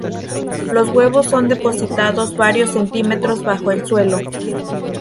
Los huevos son depositados varios centímetros bajo el suelo.